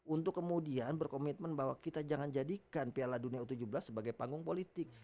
untuk kemudian berkomitmen bahwa kita jangan jadikan piala dunia u tujuh belas sebagai panggung politik